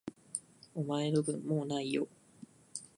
お前の分、もう無いよ。